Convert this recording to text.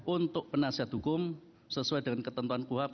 untuk penasihat hukum sesuai dengan ketentuan kuhap